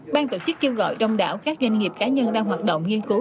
ban tổ chức kêu gọi đông đảo các doanh nghiệp cá nhân đang hoạt động nghiên cứu